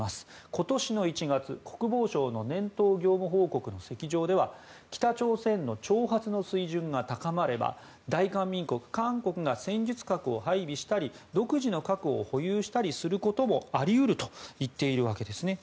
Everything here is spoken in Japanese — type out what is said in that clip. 今年１月、国防省の年頭業務報告の席上で北朝鮮の挑発の水準が高まれば大韓民国が戦術核を配備したり独自の核を保有したりすることもあり得ると言っているわけです。